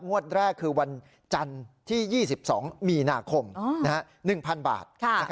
งวดแรกคือวันจันทร์ที่๒๒มีนาคม๑๐๐๐บาท